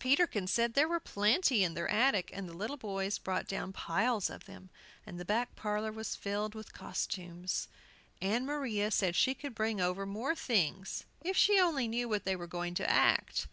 Peterkin said there were plenty in their attic, and the little boys brought down piles of them, and the back parlor was filled with costumes. Ann Maria said she could bring over more things if she only knew what they were going to act.